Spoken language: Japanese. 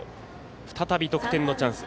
再び得点のチャンス。